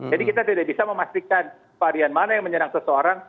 jadi kita tidak bisa memastikan varian mana yang menyerang seseorang